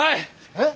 えっ？